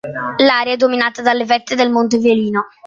L'area è dominata dalle vette del monte Velino.